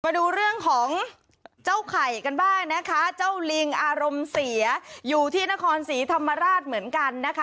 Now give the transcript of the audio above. มาดูเรื่องของเจ้าไข่กันบ้างนะคะเจ้าลิงอารมณ์เสียอยู่ที่นครศรีธรรมราชเหมือนกันนะคะ